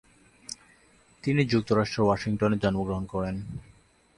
তিনি যুক্তরাষ্ট্রের ওয়াশিংটনে জন্মগ্রহণ করেন।